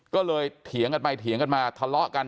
ก็เลยเถียงกันไปเถียงกันมาทะเลาะกัน